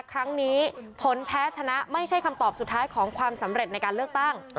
ครั้งนี้ผลแพ้ชนะไม่ใช่คำตอบสุดท้ายของความสำเร็จในการเลือกตั้ง